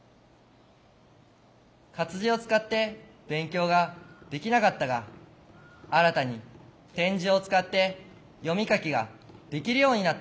活字を使って勉強ができなかったが新たに点字を使って読み書きができるようになった。